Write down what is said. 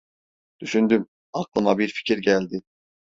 Düşündüm, aklıma bir fikir geldi.